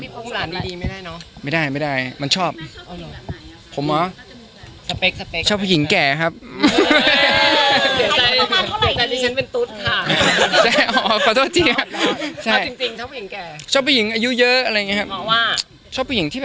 ผมบอกเลยเรื่องจริงนะ